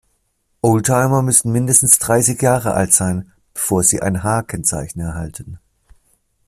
Oldtimer müssen mindestens dreißig Jahre alt sein, bevor sie ein H-Kennzeichen erhalten.